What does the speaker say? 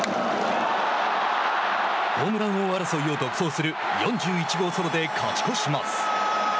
ホームラン王争いを独走する４１号ソロで勝ち越します。